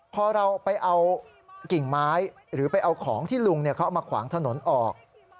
พอเราไปเอากิ่งไม้หรือไปเอาของที่ลุงเขาเอามาขวางถนนออก